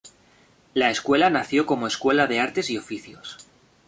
La escuela nació como escuela de artes y oficios.